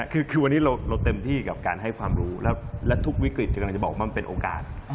คือวันนี้เราเต็มที่กับการให้ความรู้และทุกวิกฤตกำลังจะบอกว่ามันเป็นโอกาส